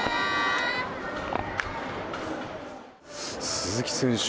鈴木選手